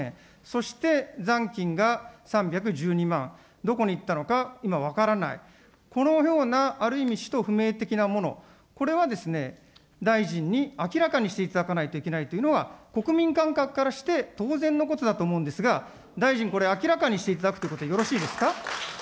そして、残金が３１２万、どこにいったのか、今分からない、このようなある意味、使途不明的なもの、これは大臣に明らかにしていただかないといけないというのは、国民感覚からして当然のことだと思うんですが、大臣、これ明らかにしていただくということでよろしいですか。